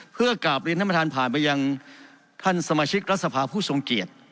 เพื่อกราบเรียนท่านประธานผ่านไปยังท่านสมาชิกรัฐสภาผู้ทรงเกียจ